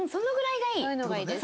そういうのがいいです。